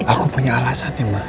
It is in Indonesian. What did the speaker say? aku punya alasan ya mbak